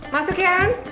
masuk ya an